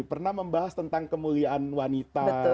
pernah membahas tentang kemuliaan wanita